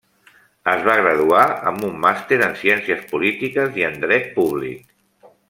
Es va graduar amb un màster en Ciències polítiques i en Dret públic.